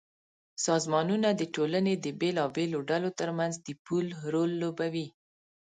سازمانونه د ټولنې د بېلابېلو ډلو ترمنځ د پُل رول لوبوي.